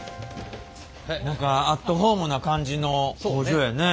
何かアットホームな感じの工場やね。